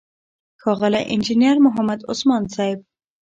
ښاغلی انجينر محمد عثمان صيب،